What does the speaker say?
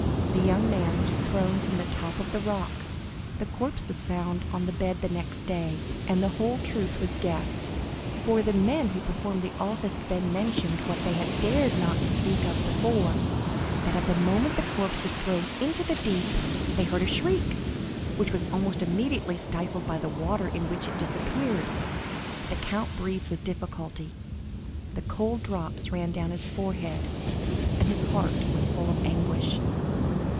The young man was thrown from the top of the rock; the corpse was found on the bed next day, and the whole truth was guessed, for the men who performed the office then mentioned what they had not dared to speak of before, that at the moment the corpse was thrown into the deep, they heard a shriek, which was almost immediately stifled by the water in which it disappeared." The count breathed with difficulty; the cold drops ran down his forehead, and his heart was full of anguish.